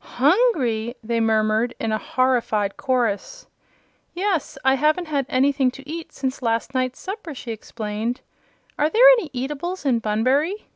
"Hungry!" they murmured, in a horrified chorus. "Yes; I haven't had anything to eat since last night's supper," she exclaimed. "Are there any eatables in Bunbury?"